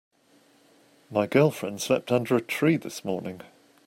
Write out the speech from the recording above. My girlfriend slept under a tree this morning.